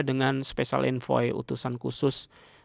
dengan special envoy utusan khusus